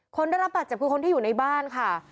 คนได้รับบาดเจ็บคือคนที่อยู่ในบ้านค่ะ